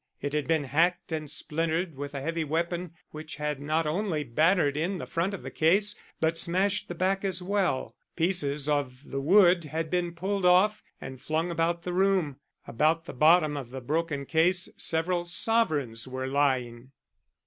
It had been hacked and splintered with a heavy weapon, which had not only battered in the front of the case, but smashed the back as well. Pieces of the wood had been pulled off and flung about the room. About the bottom of the broken case several sovereigns were lying.